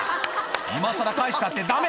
今さら返したってダメ！